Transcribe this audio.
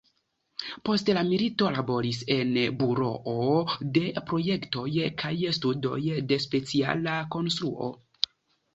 Post la milito laboris en Buroo de Projektoj kaj Studoj de Speciala Konstruo.